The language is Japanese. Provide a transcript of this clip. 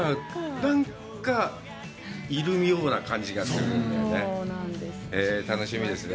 なんかいるような感じがするんだよね。